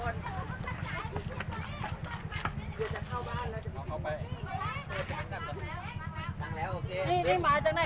นี่มาจากไหนเนี่ย